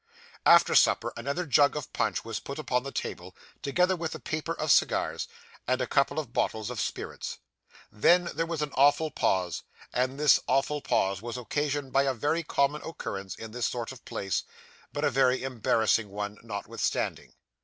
After supper, another jug of punch was put upon the table, together with a paper of cigars, and a couple of bottles of spirits. Then there was an awful pause; and this awful pause was occasioned by a very common occurrence in this sort of place, but a very embarrassing one notwithstanding.